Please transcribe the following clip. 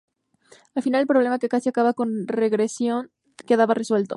Al fin, el problema que casi acaba con Regresión quedaba resuelto.